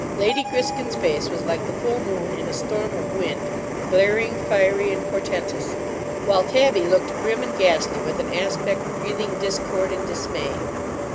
Lady Griskin's face was like the full moon in a storm of wind, glaring, fiery, and portentous; while Tabby looked grim and ghastly, with an aspect breathing discord and dismay.